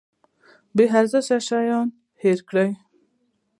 بې ارزښته شیان هیروي.